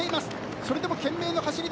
それでも懸命な走りだ。